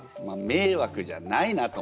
迷惑じゃないなと。